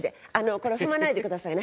これ踏まないでくださいね。